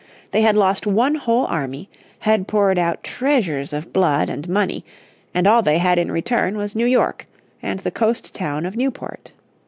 They had lost one whole army, had poured out treasures of blood and money, and all they had in return was New York and the coast town of Newport.